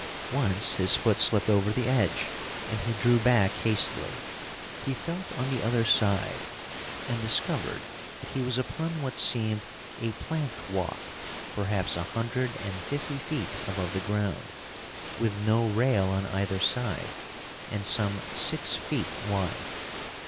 Once his foot slipped over the edge, and he drew back hastily. He felt on the other side, and discovered that he was upon what seemed a plank walk, perhaps a hundred and fifty feet above the ground, with no rail on either side, and some six feet wide.